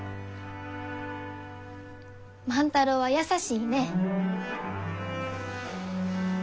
万太郎は優しいね。